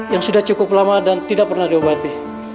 yang sudah cukup lama dan tidak pernah diobati